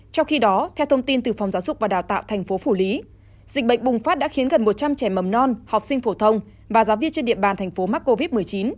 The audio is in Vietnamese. trong khi đó theo thông tin từ phòng giáo dục và đào tạo tp phủ lý dịch bệnh bùng phát đã khiến gần một trăm linh trẻ mầm non học sinh phổ thông và giáo viên trên địa bàn thành phố mắc covid một mươi chín